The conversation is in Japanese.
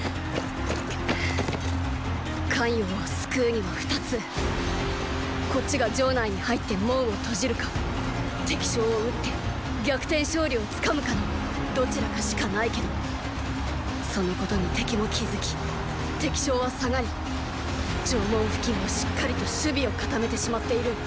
咸陽を救うには二つこっちが城内に入って門を閉じるか敵将を討って逆転勝利を掴むかのどちらかしかないけどそのことに敵も気付き敵将は退がり城門付近もしっかりと守備を固めてしまっている。